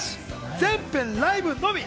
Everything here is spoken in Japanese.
全編ライブのみ。